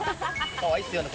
かわいいっすよね